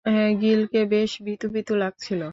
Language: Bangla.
গিলকে বেশ ভীতু ভীতু লাগছিল।